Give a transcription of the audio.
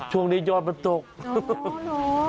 ตรงนี้ยอดมันตกโห